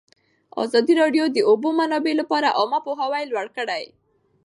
ازادي راډیو د د اوبو منابع لپاره عامه پوهاوي لوړ کړی.